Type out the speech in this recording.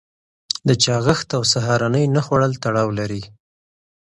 د چاغښت او سهارنۍ نه خوړل تړاو لري.